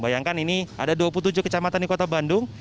bayangkan ini ada dua puluh tujuh kecamatan di kota bandung